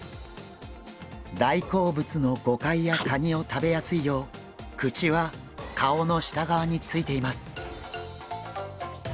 大好物のゴカイやカニを食べやすいよう口は顔の下側についています。